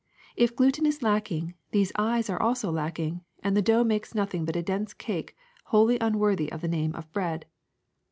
If gluten is lacking, these eyes also are lacking, and the dough makes nothing but a dense cake wholly unworthy of the name of bread.